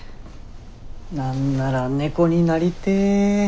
何なら猫になりてえ。